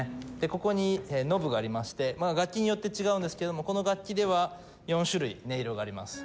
ここにノブがありまして楽器によって違うんですけどもこの楽器では４種類音色があります。